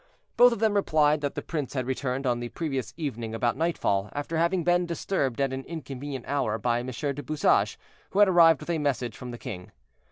Both of them replied that the prince had returned on the previous evening about nightfall, after having been disturbed at an inconvenient hour by Monsieur du Bouchage, who had arrived with a message from the king.